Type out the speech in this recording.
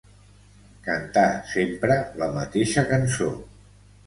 Cantar sempre la mateixa cançó.